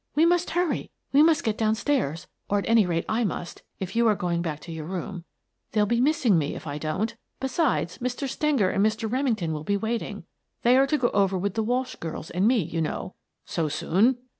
We must hurry. We must get down stairs, or at any rate I must, if you are going back to your room. They'll be miss ing me if I don't. Besides, Mr. Stenger and Mr. Remington will be waiting. They are to go over with the Walsh girls and me, you know." "So soon?"